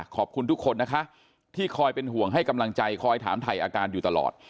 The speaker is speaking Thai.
ขอบคุณทุกคนนะคะที่คอยเป็นห่วงให้กำลังใจคอยถามถ่ายอาการอยู่ตลอด